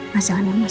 mas jangan mas